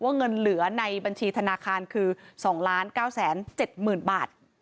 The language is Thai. ว่าเงินเหลือในบัญชีธนาคารคือ๒ล้าน๙แสน๗หมื่นบาท